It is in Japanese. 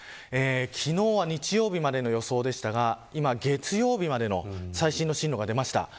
昨日の日曜日までの予想でしたが今、月曜日までの最新の進路が出ました。